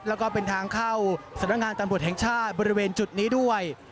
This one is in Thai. แล้วก็เป็นทางเข้าสำนักงานตำรวจแห่งชาติบริเวณจุดนี้ด้วย